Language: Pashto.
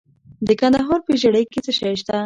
د کندهار په ژیړۍ کې څه شی شته؟